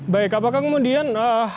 baik apakah kemudian